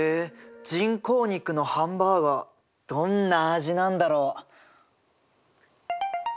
人工肉のハンバーガーどんな味なんだろう。